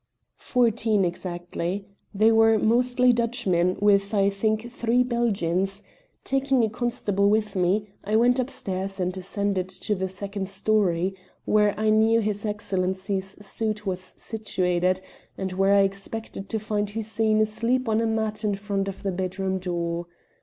"Fourteen exactly. They were mostly Dutchmen, with, I think three Belgians. Taking a constable with me, I went upstairs, and ascended to the second storey, where I knew his Excellency's suite was situated, and where I expected to find Hussein asleep on a mat in front of the bedroom door.